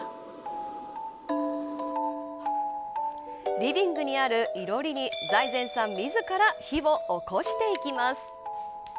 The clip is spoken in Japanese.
リビングにあるいろりに財前さん自ら火を起こしていきます。